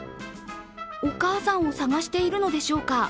お母さんを探しているのでしょうか。